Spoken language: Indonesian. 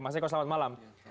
mas eko selamat malam